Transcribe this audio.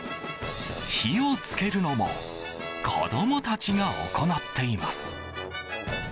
火を付けるのも子供たちが行っています。